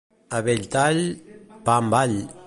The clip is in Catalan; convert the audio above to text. A Belltall... pa amb all.